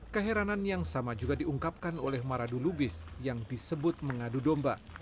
keheranan yang sama juga diungkapkan oleh maradu lubis yang disebut mengadu domba